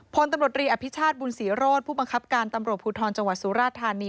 พลตำรวจรีอภิชาติบุญศรีโรธผู้บังคับการตำรวจภูทรจังหวัดสุราธานี